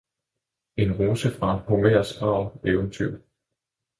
En rose fra Homers grav Eventyr